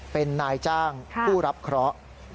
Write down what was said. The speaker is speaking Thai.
เป็นนายจ้างผู้รับเคราะห์